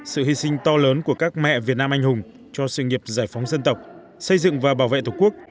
sự hy sinh to lớn của các mẹ việt nam anh hùng cho sự nghiệp giải phóng dân tộc xây dựng và bảo vệ tổ quốc